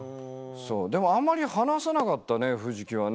でもあんまり話さなかったね藤木はね。